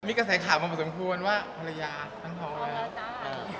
มีกระแสข่าวมาพอสมควรว่าภรรยาตั้งท้องจ้า